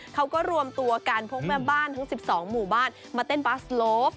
เขาก็รวมตัวกันพกแม่บ้านทั้ง๑๒หมู่บ้านมาเต้นบาสโลฟ